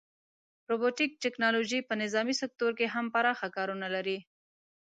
روبوټیک ټیکنالوژي په نظامي سکتور کې هم پراخه کارونه لري.